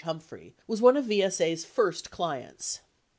Humphrey was one of YSA's first clients.